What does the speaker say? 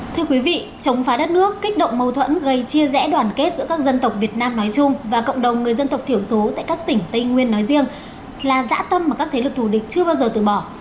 thưa quý vị chống phá đất nước kích động mâu thuẫn gây chia rẽ đoàn kết giữa các dân tộc việt nam nói chung và cộng đồng người dân tộc thiểu số tại các tỉnh tây nguyên nói riêng là dã tâm mà các thế lực thù địch chưa bao giờ từ bỏ